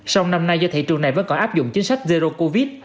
sông năm nay do thị trường này vẫn có áp dụng chính sách zero covid